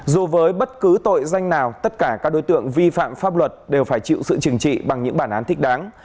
dù với bất cứ tội danh nào tất cả các đối tượng vi phạm pháp luật đều phải chịu sự trừng trị bằng những bản án thích đáng